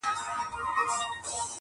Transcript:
چي د كوم يوه دښمن د چا پر خوا سي -